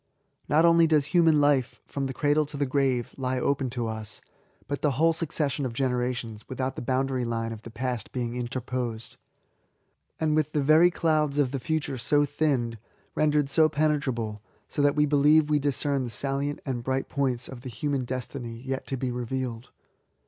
Not only does human hfe^ from the cradle to the grave, lie open to us, but the whole succes sion of generations, without the boundary line of the past being interposed; and with the very clouds of the future so thinned, — ^rendered so penetrable, as that we believe we discern the salient and bright points of the human destiny yet to be revealed.